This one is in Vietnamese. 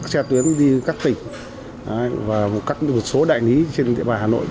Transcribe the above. tra tuyến đi các tỉnh và một số đại lý trên địa bàn hà nội